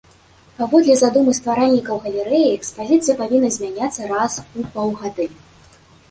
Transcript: Паводле задумы стваральнікаў галерэі экспазіцыя павінна змяняцца раз у паўгады.